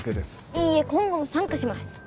いいえ今後も参加します。